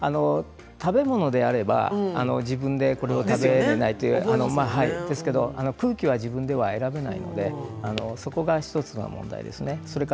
食べ物であれば自分でこれを食べなければいいということがありますけれど空気は自分では選べませんのでそこが１つの問題です。